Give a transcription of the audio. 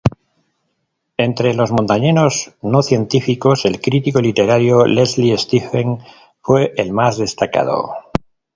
Entre los montañeros no científicos, el crítico literario Leslie Stephen fue el más destacado.